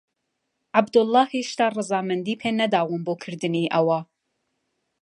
عەبدوڵڵا هێشتا ڕەزامەندیی پێ نەداوم بۆ کردنی ئەوە.